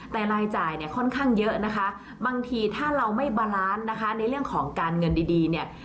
แต่รายจ่ายเนี่ยค่อนข้างเยอะนะคะบางทีถ้าเราไม่บาลานซ์นะคะในเรื่องของการเงินดีเนี่ย